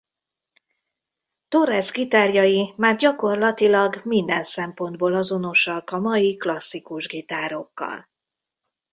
Torres gitárjai már gyakorlatilag minden szempontból azonosak a mai klasszikus gitárokkal.